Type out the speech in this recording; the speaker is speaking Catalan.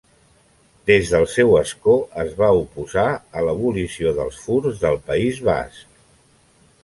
Des del seu escó es va oposar a l'abolició dels Furs del País Basc.